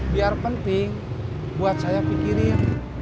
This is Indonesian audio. biar penting buat saya pikirin